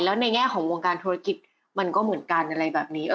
แล้วในแง่ของวงการธุรกิจมันก็เหมือนกันอะไรแบบนี้